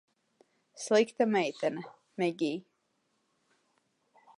Slikta meitene, Megij.